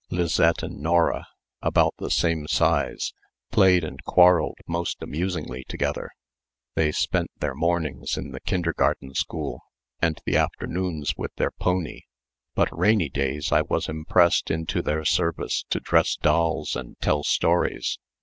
Lisette and Nora, about the same size, played and quarreled most amusingly together. They spent their mornings in the kindergarten school, and the afternoons with their pony, but rainy days I was impressed into their service to dress dolls and tell stories.